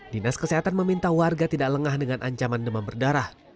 dinas kesehatan meminta warga tidak lengah dengan ancaman demam berdarah